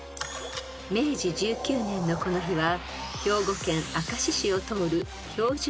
［明治１９年のこの日は兵庫県明石市を通る］